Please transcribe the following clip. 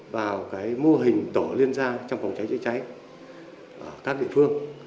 vào mô hình tổ liên gia trong phòng cháy chữa cháy ở các địa phương